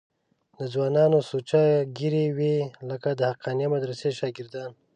د ځوانانو سوچه ږیرې وې لکه د حقانیه مدرسې شاګردان.